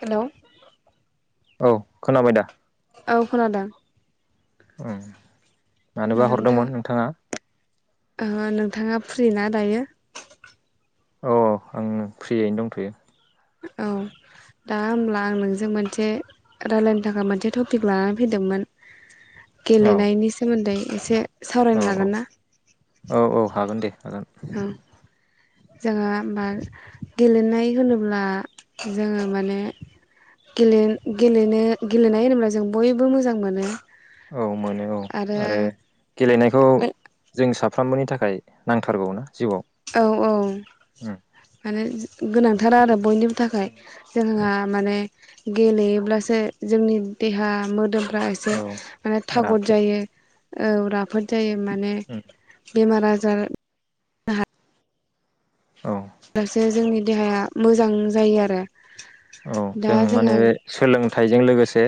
Hello. औ खोनाबाय दा? औ खोनादों । मानोबा नोंथां हरदोंमोन नोंथाङा? नोंथाङा फ्रि ना दायो? अ आं फ्रियैनो दंथयो औ दा होमब्ला आं नोंजों मोनसे रायलायनो थाखाय मोनसे टपिक लानानै फैदोंमोन । औ गेलेनायनि सोमोन्दै एसे सावरायनो औ औ हागोन ना औ औ हागोन दे हागोन ओं । जोङो होमबा गेलेनाय होनोब्ला जोङो माने गेले गेलेनो गेलेनाय होनोब्ला जों बयबो मोजां मोनो औ मोनो औ आरो गेलेनायखौ जों साफ फ्रामबोनि थाखाय नांथारगौवानो औ औ माने गोनांथार आरो नंगौ बयनिबो थाखाय उम जोंहा उम माने गेलेयोब्लासो जोंनि देहा मोदोम फ्रा एसे औ मे थागद राफोद जायो औ राफोद जायो माने उम बेमार आजार औ अब्लासो जोंनि देहाया मोजां जायो आरो औ दा जों जोंहा माने सोलोंथाइजों लोगोसे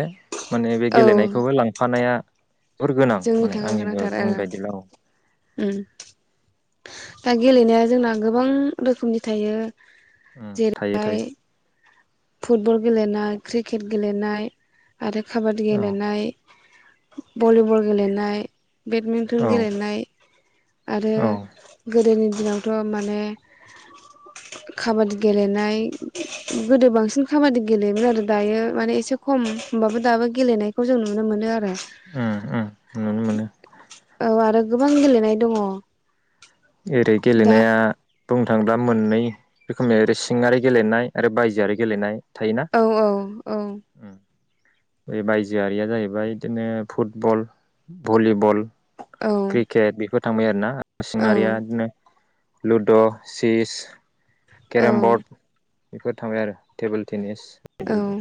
माने बे औ गेलेनायखौबो लांफानाया जोबोर गोनां जोंनि माने थाखाख आंनिबो गोनांथार आंनि आरो बायदिब्ला औ उम दा गेलेनाया जोंना गोबां रोखोमनि थायो। उम थायो जेरैहाय थायो फुटबल गेलेनाय क्रिकेट गेलेनाय आरो काबादि औ गेलेनाय भलिबल गेलेनाय बेडमिन्टन औ गेलेनाय आरो औ गोदोनि दिनावथ' माने काबादि गेलेनाय गोदो बांसिन जो खाबादि गेलेयोमोन आरो दायो माने एसे खम होनबाबो दाबो गेलेनायखौ जों नुनो मोनो आरो उम उम नुनो मोनो औ आरो गोबां गेलेनाय दङ। एरै दा गेलेनाया बुंनो थाङोब्ला मोननै रोखोमनि ओर सिङारि गेलेनाय आरो बायजोआरि गेलेनाय थायो ना औ औ औ [inaudible] बे बायजोआरिया जाहैबाय बिदिनो फुटबल भलिबल औ क्रिकेट बेफोर थांबाय आरो ना औ नसिङारियानो लुद' चिस औ केरेमबर्ड बेफोर थांबाय आरो टेबोल जनिस औ बिबादि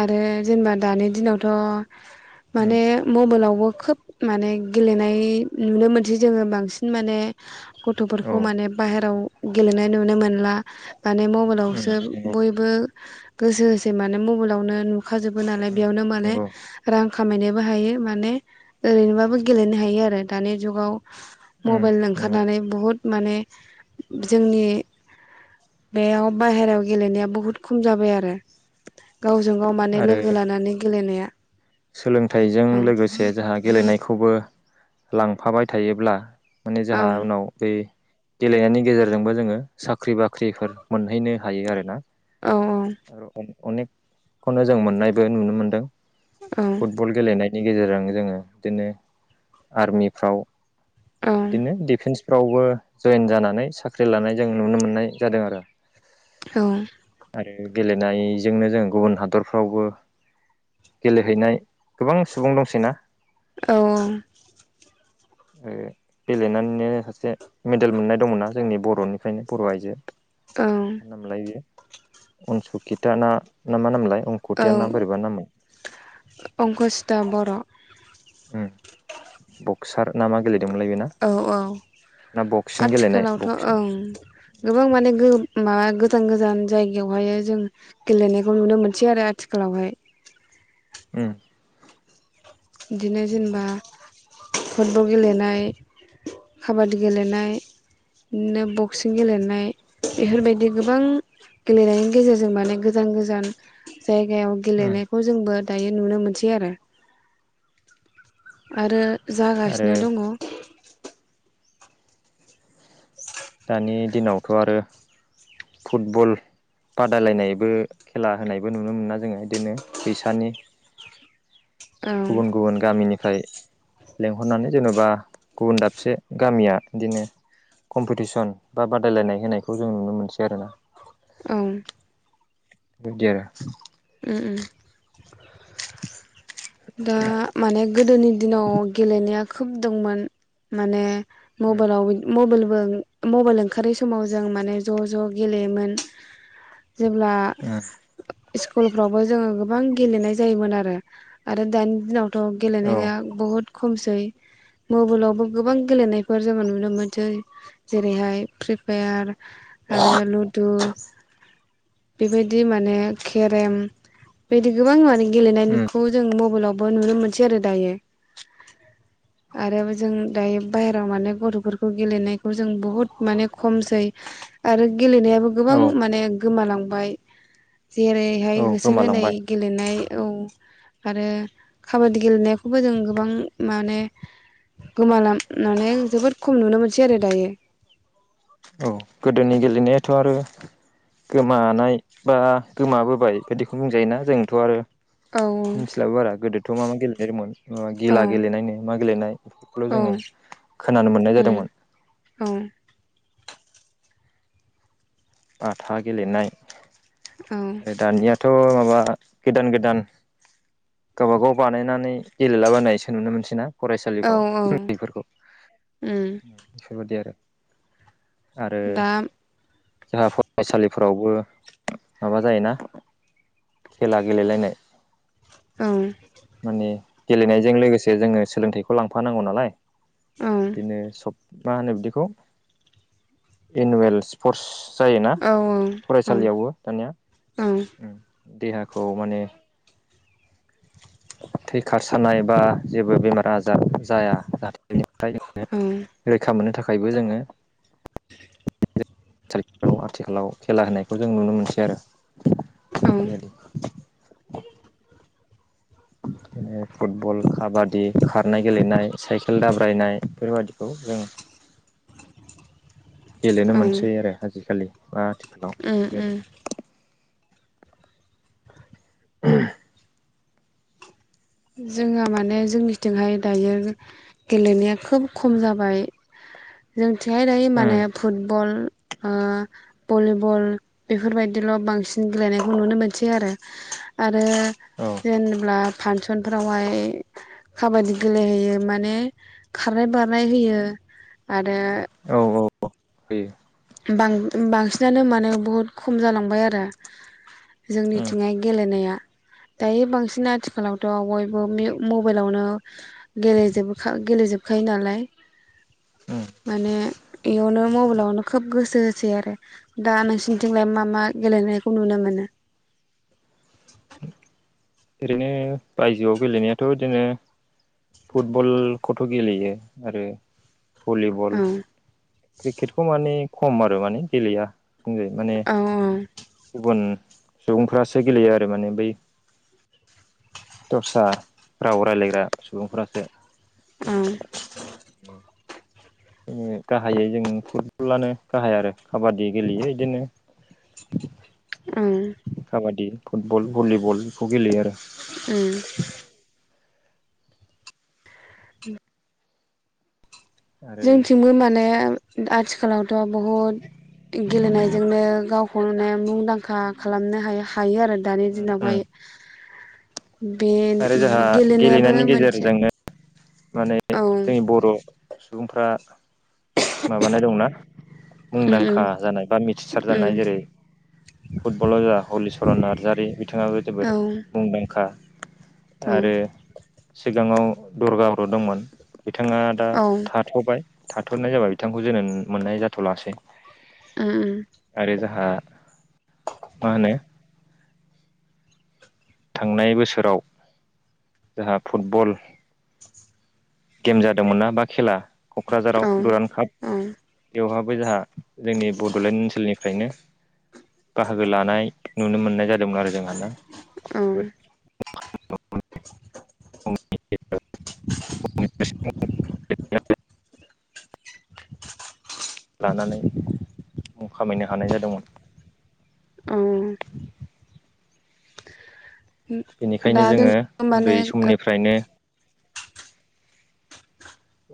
आरो जेनेबा दानि दिनावथ' उम माने मबाइलावबो खोब माने गेलेनाय नुनो मोनसै जोङो बांसिन माने औ गथ'फोरखौ माने बाहेराव गेलेनाय नुनो मोनला माने उम मबाइलावसो नंगौ बयबो गोसो होसै माने मबाइलावनो नु खाजोबो नालाय उम बेयावनो माने नंगौ रां खामायनोबो हायो माने ओरैनोबाबो गेलेनो हायो आरो दानि जुगाव उम मबाइल नंगौ ओंखारनानै बहुत माने जोंनि बेयाव बाहेरायाव गेलेनाया बुहुद खम जाबाय आरो गावजों गाव माने आरो लोगो लानानै गेलेनाया सोलोंथाइजों औ लोगोसे जाहा गेलेनायखौबो लांफाबाय थायोब्ला माने औ जोंहा उनाव बे गेलेनायनि गेजेरजोंबो जोङो साख्रि बाख्रिफोर मोनहैनो हायो आरोना औ आरो अनेकखौनो जों मोननायबो नुनो मोनदों औ फुटबल गेलेनायनि गेजेरजों जोङो बिदिनो आर्मिफ्राव औ बिदिनो दिफेन्स फ्रावबो जयेन जानानै साख्रि लानाय जों नुनो मोननाय जादों आरो औ आरो गेलेनायजोंनो जों गुबुन हादरफ्रावबो गेलेहैनाय गोबां सुबुं दंसै ना औ औ ओ गेलेनानैनो सासे मेडेल मोननाय दं नना जोंनि बर'निफ्रायनो बर' आइजो औ नोमलाय जों अनसुकिता ना मा मोनलाय रंखथिया ना बोरैबा नाममोन। अंकसता बर' ओम बक्सार नामा गेले औ औ। बक्सिं गेलेनाय आथिखालावथ' बक्सिं ओं गोबां माने गो मा गो गोजान गोजान जायगायावहाय जों गेलेनायखौ नुनो मोनसै आरो आथिखालावहाय। उम। बिदिनो नंगौ जेनेबा फुटबल गेलेनाय काबादि गेलेनाय, इदिनो बक्सिं गेलेनाय बेफोरबायदि गोबां गेलेनायनि गेजेरजों माने गोजान गोजान जायगायाव उम गेलेनायखौ जोंबो दायो नुनो मोनसै आरो। आरो आरो जागासिनो दङ। दानि दिनावथ' आरो फुटबल बादायलायनायबो खेला होनायबो नुनो मोनोना जोङो बिदिनो फैसानि। गुबुन गुबुन गामिनिफ्राय लेंंहरनानै जेन'बा गुबुन दाबसे गामिया बिदिनो कम्पिटिसन बा बादायलायनाय होनायखौ जों नुनो मोनसै आरोना। औ। बेबादि आरो। [inaudible] दा माने गोदोनि दिनाव गेलेनाया खोब दंमोन माने मबाइलाव मबाइल बो मबेल ओंखारै समाव जों माने ज' ज' गेलेयोमोन। जेब्ला स्कुलफ्रावबो जोङो गोबां गेलेनाय जायोमोन आरो। आरो दानि दिनावथ' उम गेलेनाया बहुद खमसै। मबेलावबो गोबां गेलेनायफोर जोङो नुनो मोनसै। जेरैहाय फ्रि फायार। आरो लुड्डु। बेबायदि माने केरेम बेबायदि गोबां माने औ उम गेलेनायखौ जों मबेलावबो नुनो मोनसै आरो दायो। आरो जों दायो बाहेराव माने गथ'फोरखौ गेलेनायखौ जों बुहुद माने खमसै। आरो गेलेनायाबो गोबां औ माने गोमालांबाय। जेरैहाय औ होसोलायनाय गोमालांबाय गेलेनाय औ। आरो खाबादि गेलेनायखौबो जों गोबां माने गोमालाम मानै जोबोद खम नुनो मोनसै आरो दायो। औ गोदोनि गेलेनायाथ' आरो गोमानाय बा गोमाबोबाय बिदिखौ बुंजायोना जोंथ' आरो औ मिथिलाबो बारा गोदोथ' मा मा गेलेनाय दंमोन मा औ गिला गेलेनायनो मा गेलेनाय। बेखौल' औ जोङो खोनानो मोननाय उम जादोंमोन। औ बाथा गेलेनाय, औ दानिया थ' माबा गोदान गोदान गावबागाव बानायनानै गेलेला बानायसो नुनो मोनसै ना औ फरायसालिफ्राव औ उन्दैफोरखौ। उम ओम बेफोरबायदि आरो। आरो दा जाहा फराय [unintelligible] लिफोरावबो माबा जायोना खेला गेलेलायनाय। औ माने गेलेनायजों लोगोसे जोङो सोलोंथाइखौ लांफानांगौ नालाय। औ बिदिनो सब मा होनो बिदिखौ एनुवेल स्पर्टस जायोना औ फरायसालियावबो दानिया। औ देहाखौ माने थै खारसारनाय बा जेबो बेमार आजार जाया जाहाथे बेनिफ्राय जोङो रैखा मोननो थाखायबो जोङो आथिखालाव खेला होनायखौ जों नुनो मोनसै आरो औ। बेबायदि फुटबल काबादि खारनाय गेलेनाय साइकेल दाब्रायनाय बेफोरबायादिखौ जों [inaudible] गेलेनो औ मोनसै आरो आजिखालि बा आथिखालाव उम उम। बेबायदि [inaudible] जोंहा माने जोंनिथिंहाय दायो गेलेनाया खोब खम जाबाय। जोंथियाय दायो माने फुटबल ओ भलिबल बेफोरबायदिल' बांसिन गेलेनायखौ नुनो मोनसै आरो। आ आरो औ जेनेब्ला फान सनफ्रावहाय खाबादि गेलेहैयो माने खारनाय बारनाय होयो। आरो [inaudible] बांसिनानो माने बहुद खम जालांबाय आरो जोंनिथिंहाय गेलेनाया दायो बांसिन आथिखालावथ' बयबो मबाइलावनो गेललजोबोखा गेले जोबखायो नालाय माने बेयावनो मबाइलावनो खोब गोसो होसै आरो दा नोंसिरनिथिंलाय मा मा गेलेनायखौ नुनो मोनो? [inaudible] ओरैनो बायजोआव गेलेनायाथ' बिदिनो फुटबल गथ' गेलेयो आरो औ भलिबल क्रिकेटखौ माने खम आरो माने गेलेया। बुंजायो माने औ गुबुन सुबुंफ्रासो गेलेयो आरो माने बै दस्रा राव राय्लायग्रा सुबुंफोरासो उम। गाहायै जों फुटबलानो गाहाय आरो काबादि गेलेयो बिदिनो उम। काबादि फुटबल भलिबल बेखौ गेलेयो आरो। उम। आरो जोंथिंबो माने आथिखालावथ' बहुद गेलेनायजोंनो गाव खल'नाय मुंदांखा खालामनो हायो आरो दानि उम उम दिनावहाय बे आरो जोंहा गेलेनायाबो गेलेनायनि मोनसे गेजेरजोंनो माने औ जोंनि बर' सुबुंफ्रा माबानाय दं ना? उम उम मुंदांखा जानाय बा मिथिसार उम जानाय जेरै फुटबलाव जा हलिचरन नार्जारि बिथाङाबो औ जोबोद मुंदांखा। औ आरो सिगाङाव दुर्गा बर' दंमोन। बिथाङा दा औ थाथ'बाय थाथ'नाय जाबा बिथांखौ जोनोम मोननाय जाथ'लासै। आरो जाहा मा होनो? थांनाय बोसोराव जाहा फुटबल गेम जादोंमोन ना बा खेला क'क्राझाराव औ दुरान काप औ बेवहाब जाहा जोंनि बड'लेण्ड ओनसोलनिफ्रायनो बाहागो लानाय नुनो मोननाय जादों। लोम आरो जोंह ना उम। [unintelligible] लानानै मुं खामायनो हानाय जादोंमोन। औ। बेनिखायनो दा जों जोङो उन्दै माने समनिफ्रायनो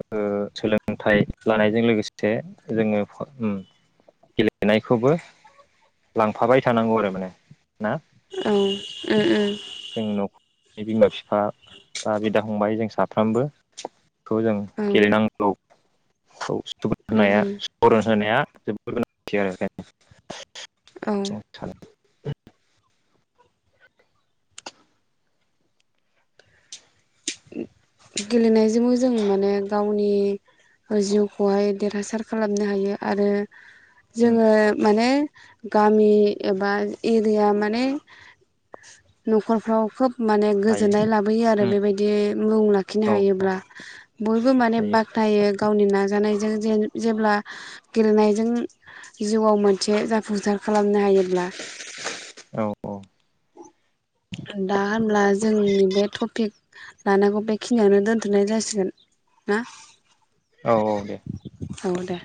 ओसोलोंथाइ लानायजों लोगोसे जोङो उम गेलेनायखौबो लांफाबाय थानांगौ आरो माने। ना औ उम उम जों न'खरनि बिमा फिफा बा बिदा फंबाय जों साफ्रामबो‌ खौ जों गेलेनांगौखौ [unintelligible] जोबोद गोनांथि आरो [unintelligible] गेलेनायजोंबो जों माने गावनि जिउखौहाय देरहासार खालामनो हायो आरो सानो जोङो माने गामि एबा एरिया माने न'खरफ्राव खोब माने हायो गोजोननाय लाबोयो आरो बेबायदि मुं लाख खिनो औ औ हायोब्ला बयबो माने हायो बाख्नायो गावनि नाजानाय जों जेब्ला गेलेनायजों जिउआव मोनसे जाफुंसार खालामनो हायोब्ला औ लानांगौ बेखिनियावनो दोनथ'नाय जासिगोन ना? औ औ दे। औ दे।